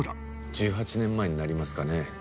１８年前になりますかね